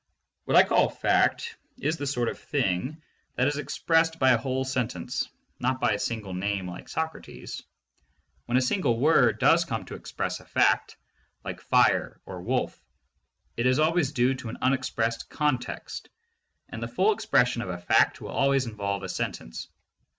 What I call a fact is the sort of thing that is expressed by a whole sentence, not by a single name like "Socrates." When a single word does come to express a fact, like "fire" or "wolf," it is always due to an unex pressed context, and the full expression of a fact will al ways involve a sentence.